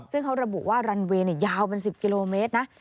ซึ่งเขาระบุว่ารันเวย์ยาวเป็น๑๐กิโลเมตรนะ